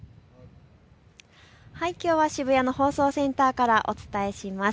きょうは渋谷の放送センターからお伝えします。